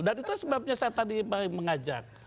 itu sebabnya saya tadi mengajak